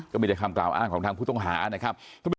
ไม่ใช่คำกล่าวอ้างของทางผู้ต้องหานะครับ